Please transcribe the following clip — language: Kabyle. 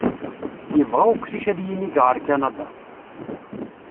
Yebɣa uqcic ad yinig ɣer Kanada.